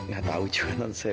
gak tau juga nanti saya